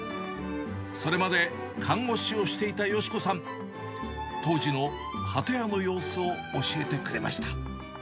それまで看護師をしていた芳子さん、当時の鳩家の様子を教えてくれました。